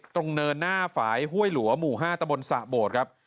เนินหน้าฝ่ายห้วยหลัวหมู่๕ตะบนสะโบดครับ